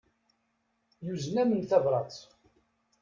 Yuzen-am-n tabrat.